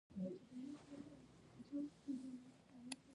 په افغانستان کې د مورغاب سیند د اړتیاوو لپاره اقدامات کېږي.